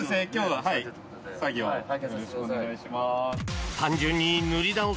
よろしくお願いします。